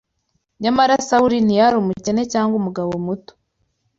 Nyamara Sawuli ntiyari umukene cyangwa umugabo muto